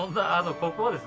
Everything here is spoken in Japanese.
ここはですね